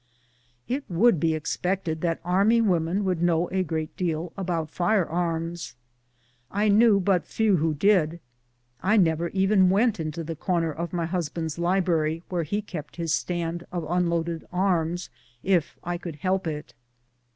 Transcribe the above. It would be expected that army women would know a great deal about fire arms ; I knew but few who did. I never even went into the corner of my husband's library, where he kept his stand of unloaded arms, if I could help it.